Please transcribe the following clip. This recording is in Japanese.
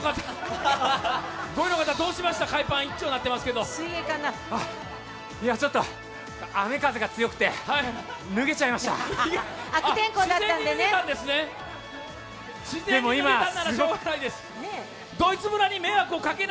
どうしましたか？